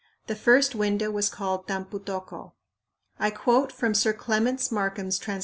The first window was called Tampu tocco." I quote from Sir Clements Markham's translation.